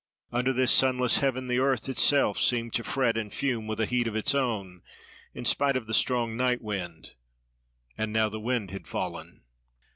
Under this sunless heaven the earth itself seemed to fret and fume with a heat of its own, in spite of the strong night wind. And now the wind had fallen.